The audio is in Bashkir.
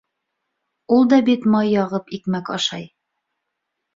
Ул да бит май яғып икмәк ашай.